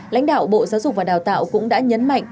lãnh đạo bộ giáo dục và đào tạo cũng đã nhấn mạnh